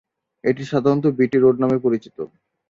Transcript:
এটি সাধারণত BT road নামে পরিচিত।